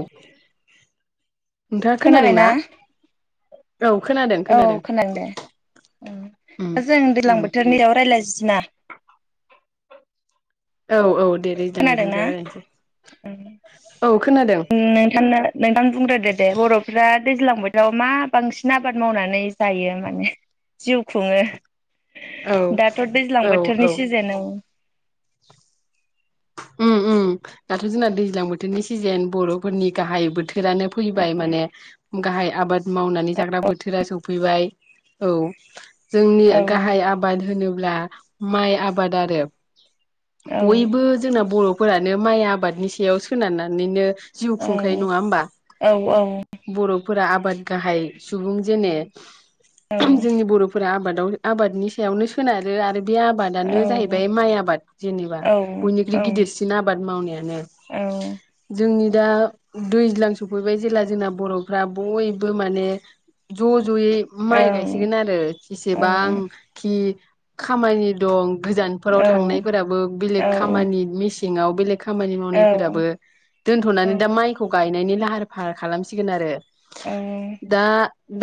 औ नोंथाङा खोनादों खोनाबायना ना? औ खोनादों औ खोनादों दे उम ओं जों दैज्लां उम बोथोरनियाव रायज्लायसैना औ औ दे दैज्लां बोथोरनि खोनादोंना सायाव रायलायनोसै औ खोनादों नोंथांनो नोंथां बुंग्रादो दे बर'फ्रा दैज्लां बो जाव मा बांसिन आबाद मावनानै जायो माने जिउ खुङो? औ दाथ' दैज्लां औ बोथोरनि औ सिजोनाव औ ओम ओम दाथ' जोंना दैज्लां बोथोरनि सिजोन बर'फोरनि गाहाय बोथोर रानो फैबाय माने गाहाय आबाद मावनानै जाग्रा बोथोरा सौफैबाय औ जोंनि औ गाहाय आबाद होनोब्ला ब्ला माइ आबाद आरो बयबो बर'फोरानो माइ आबादनि सायाव सोनारनानैनो जिउ औ खुंखायो नङा होमबा औ बर' फुरा आबाद गाहाय सुबुं जेने औ जोंनि बर'फोरा आबाद दाव आबादनि सायावनो सोनारो आरो बे औ आबादानो जाहैबाय माइ आबाद जेनेबा औ बयनिख्रुइ औ गिदिरसिन आबाद मावनायानो जोंनि दा दैज्लां सफैबाय जेब्ला जोंना बर'फ्रा बयबो माने ज' जयै माइ गायसिगोन आरो औ जसेबांखि खामानि दं गोजानफोराव थांनायफोराबो बेलेग खामानि मिस सिङाव‌ बेलेग खामानि मावनाय फोराबो औ दोनथ'नानै दा माइखौ गायनाय गायनायनि लाहार फाहार खालामसिगोन आरो। औ दा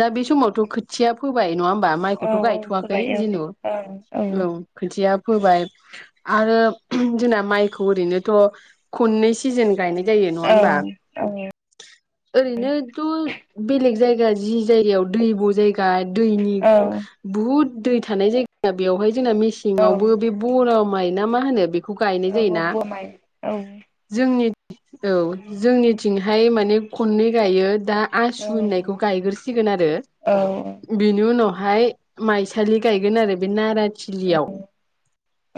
दा बे समावथ' खोथिया फोबाय नङा होमबा बा औ माइखौथ' औ गायथ'वाखै फोबाय जेनु औ औ औ खोथिया फोबाय आरो जोंना माइखौ ओरैनोथ' खननै सिजोन गायनाय जायो नङा औ होमबा औ ओरैनोथ' बेलेग जायगा जि जायगायाव दैब' जायगा दैनि औ बुहुद दै थानाय जायगाया बेवहाय जोंना औ मेसेंआवबो बे बर' माय ना मा होनो बे बेखौ गायनाय औ जायोना बोमाय औ जोंनि औ जोंनिथिंहाय माने खननै गायो दा आसु औ होननायखौ गायग्रोसिगोन आरो औ बेनि उनाव हाय माइसालि गायगोन आरो बे नारानि थिलियाव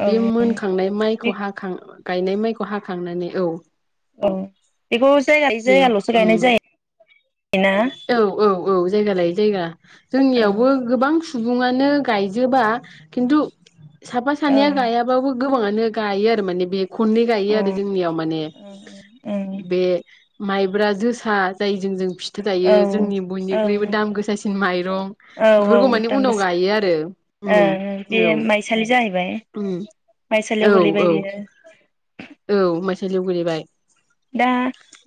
बे मोनखांनाय माइ हाखां गायनाय माइखौ हाखांनानै औ औ बेखौ जायगा लायै बेयाव जायगाल'सो ओम गायनाय जायो ना? औ औ औ जायगा लायै जायगा जोंनियावबो गोबां सुबुङानो गायजोबा खिन्थु साफा सानैया गायाबाबो गोबाङानो गायो आरो माने बे खननै औ गायो आरो जोंनियाव माने बे माइब्रा जोसा जायजों जों फि था जायो जोंनि औ बयनिख्रुइबो दाम गोसासिन माइरं औ औ बेफोरखौ माने दाम उनाव गोसा गायो आरो उम ओं बे औ माइसालि जाहैबाय औ माइसालियाव गोलैबाय औ औ बियो माइसालि सालियाव गोलैबाय दा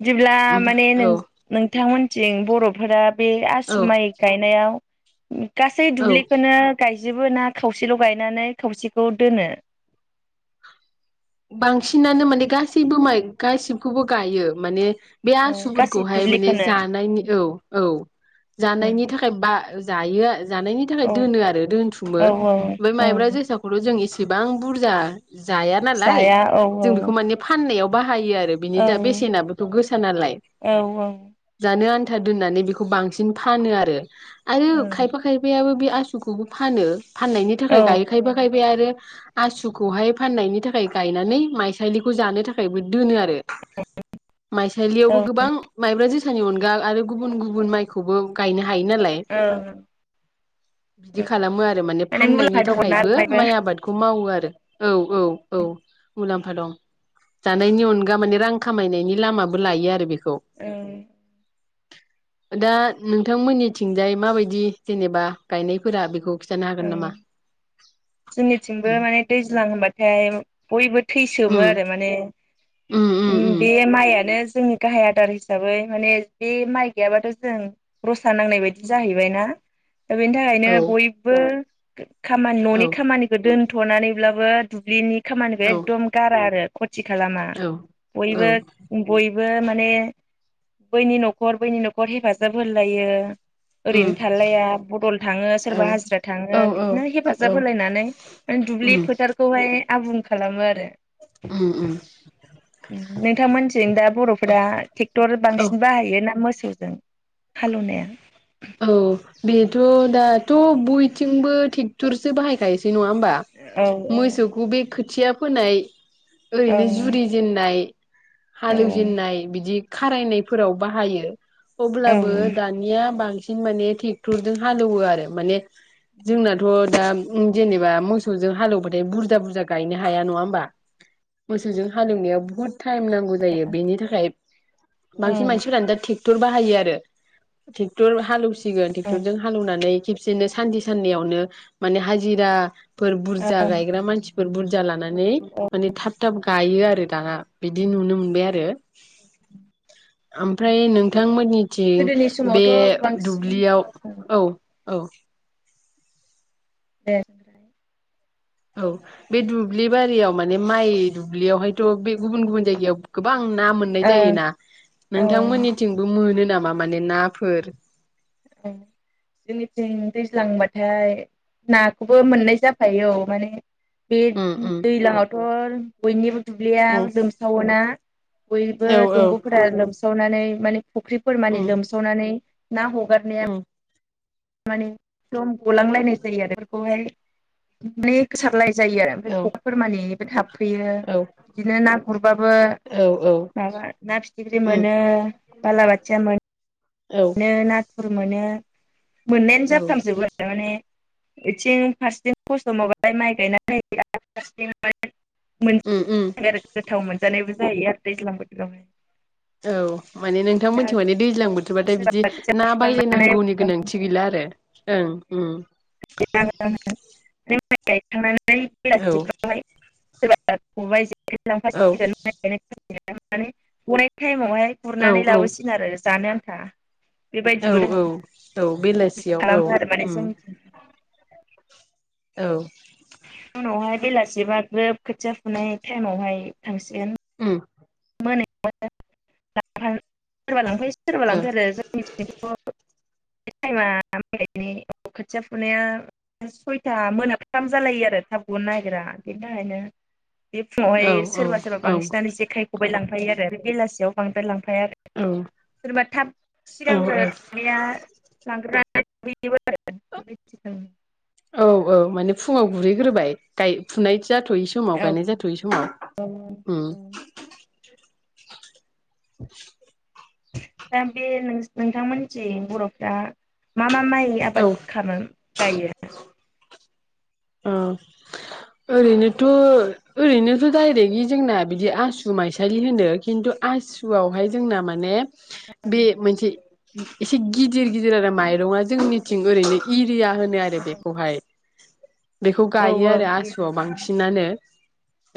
जेब्ला माने नोंथांमोन जों बर'फोरा बे औ आसु माइ गायनायाव [unintelligible] गासै औ दुब्लिखौनो गायजोब बिदिबो ना खावसेल' गायनानै खावसेखौ दोनो। बांसिनानो माने गासैबो माइ गासिबखौबो गायो माने बे गासै आसुफोरखौहाय माने दुब्लिखौनो जानायनि औ औ जानायनि थाखाय बा जायो जानायनि थाखाय औ दोनो आरो दोनथुमो औ ओमफ्राय औ औ मायब्रा जोसाखौल' जों इसे बां बुरजा जा नालाय जाया औ जों बेखौ माने फाननायाव बाहायो आरो बेनि औ दा बेसेनाबोथ' गोसा नालाय औ जानो आनथा आनथा दोननानै बेखौ बांसिन फानो आरो आरो खायफा खायफायाबो बे आसुखौबो फानो फाननायनि थाखाय गायो खायफा औ खायफाया आरो आसुखौहाय फाननायनि थाखाय थाखाय गायनानै माइसालिखौ जानो थाखायबो दोनो आरो औ माइसालियावबो गोबां माइब्रा जोसा सानि अनगा आरो गुबुन गुबुन माइखौबो गायनो हा हायो नालाय औ बिदि खालामो आरो माने फाननायनि मुलाम्फा दङना थाखायबो बेवहायबो माइ आबादखौ मावो आरो औ औ औ मुलाम्फा दं जानायनि अनगा माने रां खामायनायनि लामाबो लायो आरो बेखौ खौ दा नोंथांमोननिथिंजाय माबायदि जेनेबा गायनायफोरा बेखौ खिन्थानो हागोन औं नामा? जोंनिथिंबो उम माने दैज्लां होनबाथाय बयबो थैसोमो आरो माने उम उम बे माइआनो जोंनि गाहाइ आदार हिसाबै माने बे माइ गैयाबाथ' जों रसा सा नांनाय बायदि उम जाहैबाय ना बेनि थाखायनो औ बयबो [unintelligible] खामानि न'नि औ खामानिखौ दोन थ'नानैब्लाबो दुब्लिनि खामानिबो औ एकदम गारा आरो थि खालामा औ बयबो औ बयबो बेबो माने बैनि न'खर बैनि न'खर हेफाजाब होलायो उम ओरैनो थालाया बदल थाङो औ सोरबा हाजिरा औ औ बिदिनो हेफाजाब औ होलायनानै दुब्लि उम फोथारखौहाय आबुं खालामो आरो उम उम नोंथांमोनिथिं दा बर'फोरा ट्रेक्टर औ बांसिन बाहायो ना मोसौ जों हालेवनाया औ बेथ' दाथ' बयथिंबो ट्रेक्टरसो बाहायखायोसै नङा होमबा औ मोसौखौ बे खोथिया फोनाय औ ओरैनो जुरि जेेननाय हालेवजेननाय बिदि खारायनायफोराव बाहायो औ अब्लाबो दानिया बांसिन माने थेकटरजों हालौवो आरो माने जोंनाथ' दा जेनेबा मोसौजों हालेवबाथाय बुरजा बुरजा गायनो हाया नङा होमबा मोसौजों हालेवनायाव बुहुद टाइम नांगौ जायो बेनि थाखाय औ बांसिन मानसिफोरानो दा थेक ट्रेक्टर बाहायो आरो ट्रेक्टर [unintelligible] सिगोन औ ट्रेक्टरजों हालौनानै खेबसेनो सानदि साननैयावनो माने हाजिरा फोर बुरजा गायग्रा मानसिफोर बुरजा लानानै माने थाब थाब गायो आरो दाना बिदि नुनो मोनबाय आरो ओमफ्राय नोंथांमोननिथिं गोदोनि बे समावथ' बांसिन दुब्लियाव औ औ दे औ बे दुब्लि बारियाव माने माइ दुब्लियावहायथ' बे गुबुन गुबुन जायगायाव गोबां ना मोननाय ओं जायोना औ नोंथांमोननिथिंबो मोनो नामा मा माने नाफोर जोंनिथिं दैज्लांबाथाय नाखौबो मोननाय जाफायो औ माने बे उम उम दैज्लाङावथ बयनिबो दुब्लिया उम लोमसावोना बयबो औ औ दंगफोरा लोमसावनानै माने फुख्रिफोर मानि उम लोमसावनानै ना हम नायाव उम मानि सम गलांलायनाय जायो आरो बेफोरखौहाय [unintelligible] जायो आरो ओमफ्राय औ फख्रिफोर मानि थाब फैयो औ बिदिनो ना गुरबाबो औ औ माबा ना फिथिख्रि उम मोनो बालाबाथिया मोनो। औ मोनो नाथुर मोनो। मोननायानो औ उम जाफ्रामजोबो आरो माने बेथिं फारसेथिं खस्थ मावबाय माइ गायनानै फारसेथिं मोनज उम [unintelligible] आरो गोथाव मोनजानायबो जायो आरो दैज्लां बोथोरावहाय। औ माने नोंथां दा मोनथि माने दैज्लां बोथ थोर बाथाय बिदि सोरबा खोथिया ना फुखांनानै बायलायनांगौनि गोनांथि गैला आरो। ओं उम नों माइ गायखांबायना औ [unintelligible] दा [unintelligible] खबाय औ लांफासिगोन माने अनेक टायमावहाय औ गुरनानै औ लाबोसिगोन आरो जानो हा औ औ औ बेबायदि बेलासियाव औ खालामो आरो माने हम। जोंनिथिं औ उनावहाय बेलासिबा ग्रोब खोथिया फुनाय टाइमावहाय थांसिगोन। उम [unintelligible] सोरबा लांफैै सोरबा ओ लांफै आरो जों [unintelligible] [unintelligible] औ खोथिया फुनाया सइथा मोनाफ्राम जालायो आरो थाब गनो नागिरा बिनि थाखायनो बे औ फुङावहाय औ सोरबा सोरबा औ बांसिनानो जेखाइ खबाइ लां बायो आरो बेलासियाव बांद्रायलां [unintelligible] सोरबा थाब औ सिगांग्रो थांनाया लांग्रोन [unintelligible] औ औ माने फुङाव गुरहैग्रोबाय गाय फुनाय जाथ'यै समाव औ गायनाय जाथ'यै औ समाव उम दा बे नोंथांमोननि थिं बर'फ्रा मा मा? माइ औ आबाद खालामो। गायो औ ओरैनोथ' ओरैनोथ' डाइरेक्टलि जोंना बिदि आसु माइसालि होनो खिन्थु आसुआवहाय जोंना माने बे मोनसे एसे गित दिर गिदिर आरो माइरङा जोंनिथिं ओरैनो इरिया होनो आरो बेखौहाय बेखौ औ गायो आरो आसुआव बांसिनानो।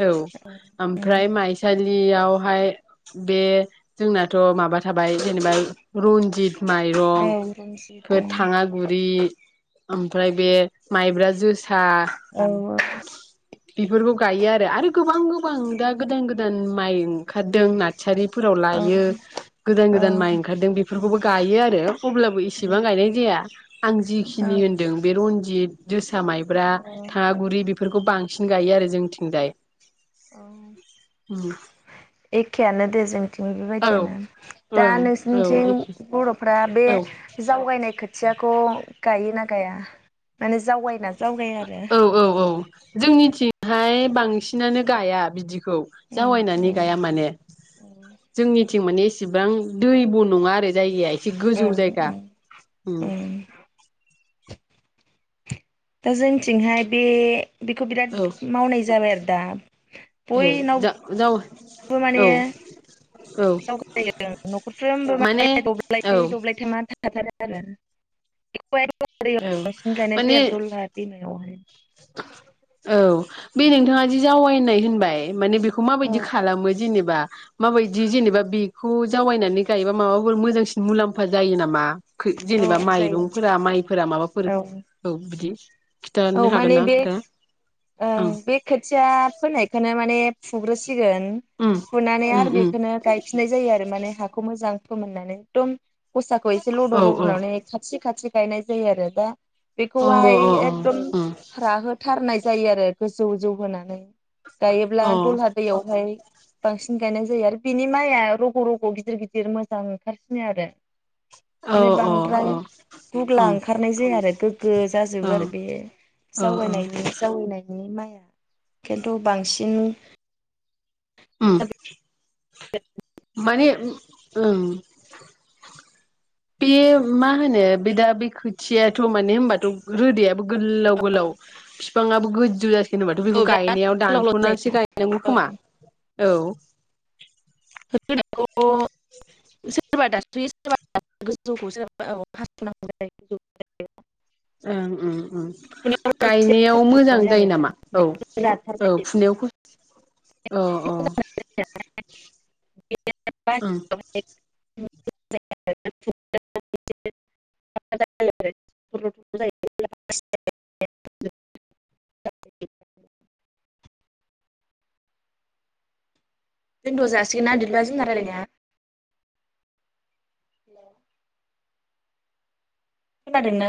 औ ओमफ्राय माइसालि बेयावहाय बे जोंनाथ' माबा थाबाय जेनेबा रन्जित औ रनजित माइरंफोर थाङागुरि ओमफ्राय बे माइब्रा जोसा औ औ बेफोरखौ गायो आरो। आरो गोबां गोबां दा गोदान गोदान माइ ओंखारदों ना सारिफोराव औ लायो गोदान औ गोदान माइ ओंखारदों बेफोरखौबो गायो आरो अब्लाबो इसिबां गायनाय जाया। आं जिखिनि होनदों बे रनजित जोसा माइ ब्रा औ थाङागुरि बेफोरखौ बांसिन गायो आरो जोंथिंजाय। एखेयानो दे जों थिंबो औ बेबायदियानो दा ओं औ नोंसोरनिथिं एखे बर'फ्रा बे औ जावगायनाय खोथि खोथियाखौ गायोना गाया माने जावायना औ औ औ जोंनिथिंहाय बांसिनानो गाया बिदि ओं जावायनानै गाया माने ओं जोंनि थिं मानि इसिबां दैब' नङा आरो जायगाया एसे जि गोजौ जायगा उम ओं दा जोनथिंहाय बे बेखौ बिराद औ मावनाय जाबाय आरो दा ए जा-जावा बो माने [unintelligible] न'खरफ्रोमबो माने औ दब्लायनै दब्लायथामा थाखाथारो। [unintelligible] [unintelligible] बांसिन गायनाय जायो माने आरो दलहा दैमायावहाय औ बे नोंथाङा जि जावायनाय होनबाय माने बेखौ माबायदि औ खालामो जेनेबा? माबायदि जेनेबा बेखौ जावायनानै गायोबा माबाफोर मोजांसिन मुलाम्फा जायो नामा? औ जेनेबा जायो माइरंफोरा माइफोरा माबाफोर औ औ बिदि गिथार औ हा माने बे ओं बे खोथिया फोनायखौनो माने सुग्रो सिगोन फुनानै उम उम आरो बेखौनो गायफिननाय जायो आरो माने हाखौ मोजां फोमोननानै एकदम गसाखौ एसे लदब औ औ लद'नानैहाय खाथि खा गायनाय जायो दा अ बेखौहाय ए अ अ एकदम राहोथारनाय जायो आरो जौ जौ होनानै गायोब्ला अ दलहा दैयावहाय बांसिन गायनाय जायो आरो बिनि माइया रग' रग' गिदिर गिदिर मोजां ओंखारसिनो आरो। माने बांद्राय अ गुग्ला ओंखारनाय जाया आरो गोग्गो अ जाजोबो आरो। बे अ अ जावनायनि-जावायनायनि माइआ खिन्थु बांसिन उम [unintelligible] माने ओं बे मा होनो बे दा बे खोथियाथ' माने होनोमबाथ' रोदा गोललाव गोलाव ङाबो गोजौ जेनेबाथ' बेखौ बिराद गायनायाव गोलाव गोलाव दानस'नानैसो जायो गायनांगौ खोमा औ [unintelligible] [unintelligible] ओं ओं एसे गायनायाव खस्थ' मोजां मोनो आरो जायो नामा? औ गोराथार औ जायो फुनायाव औ औ [unintelligible] बे ओं [unintelligible] [unintelligible] दोनथ'जासिगोनना इदिबा जोंना रायलायनाया? हेल' खोनादोंना?